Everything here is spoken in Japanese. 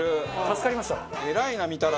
助かりました。